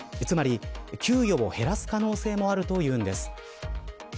つまり給与を減らす可能性もあるというのです。